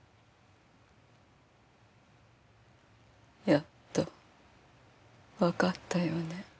やっとわかったようね。